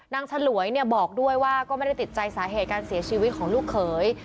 ฉลวยบอกด้วยว่าก็ไม่ได้ติดใจสาเหตุการเสียชีวิตของลูกเขย